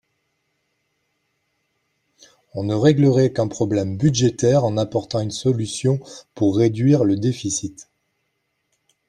On ne réglerait qu’un problème budgétaire en apportant une solution pour réduire le déficit.